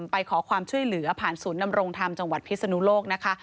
ไปขอความช่วยเหลือผ่านศูนย์นำรงธรรมจังหวัดพิศนุโลกนะคะ